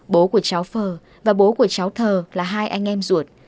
bố của cháu phờ và bố của cháu thơ là hai anh em ruột